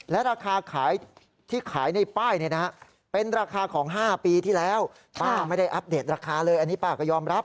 และราคาขายที่ขายในป้ายนี้นะครับ